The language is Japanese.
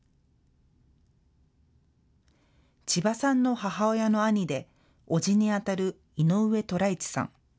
千葉さんの母親の兄で伯父にあたる井上寅一さん。